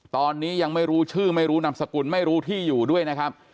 ตอนนี้ยังไม่รู้ชื่อไม่รู้นามสกุลไม่รู้ที่อยู่ด้วยนะครับ